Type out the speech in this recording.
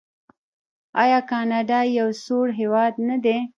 آیا کاناډا یو سوړ هیواد نه دی؟